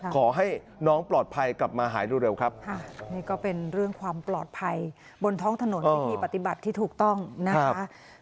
ขอให้น้องปลอดภัยกลับมาหายเร็วครับนี่ก็เป็นเรื่องความปลอดภัยบนท้องถนนวิธีปฏิบัติที่ถูกต้องนะคะ